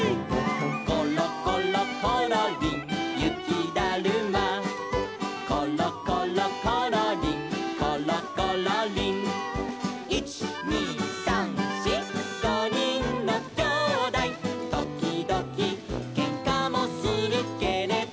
「ころころころりんゆきだるま」「ころころころりんころころりん」「いちにさんしごにんのきょうだい」「ときどきけんかもするけれど」